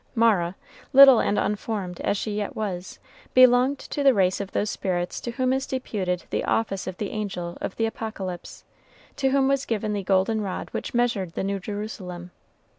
Mara, little and unformed as she yet was, belonged to the race of those spirits to whom is deputed the office of the angel in the Apocalypse, to whom was given the golden rod which measured the New Jerusalem.